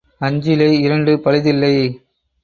அஞ்சிலே இரண்டு பழுதில்லை.